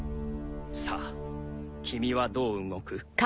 さぁ君はどう動く？